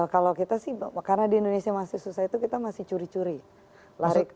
kalau kita sih karena di indonesia masih susah itu kita masih curi curi lari